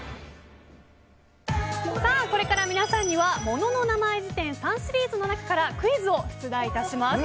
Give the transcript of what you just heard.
これから皆さんには「モノのなまえ事典」３シリーズの中からクイズを出題致します。